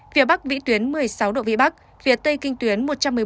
phía bắc vĩ tuyến một mươi sáu độ vị bắc phía tây kinh tuyến một trăm một mươi bốn